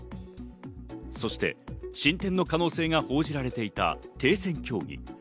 そして進展の可能性が報じられていた停戦協議。